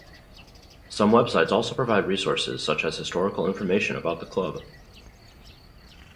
Some web sites also provide resources such as historical information about the club.